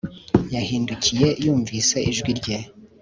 Yahindukiye yumvise ijwi rye